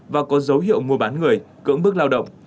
và có dấu hiệu mua bán người cưỡng bức lao động